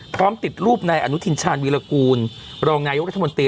พร้อมติดรูปนายอนุทินชาญวีรกูลรองนายกรัฐมนตรี